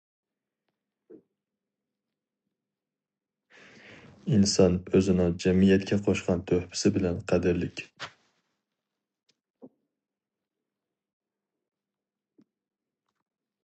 ئىنسان ئۆزىنىڭ جەمئىيەتكە قوشقان تۆھپىسى بىلەن قەدىرلىك.